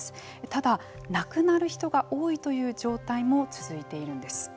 ただ、亡くなる人が多いという状態も続いているんです。